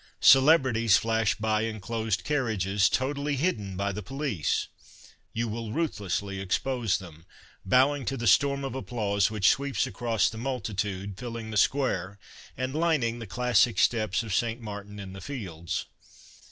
Celebrities flash by in closed carriages, totally hidden by the police ; you will ruthlessly expose them, bowing to the storm of applause which sweeps across the nniltitude filling the square and lining the classic steps of St. Martin in the Fields.